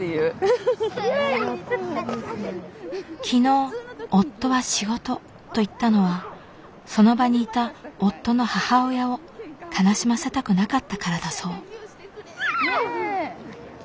昨日「夫は仕事」と言ったのはその場にいた夫の母親を悲しませたくなかったからだそう。